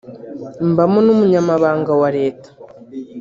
mbamo n’Umunyamabanga wa Leta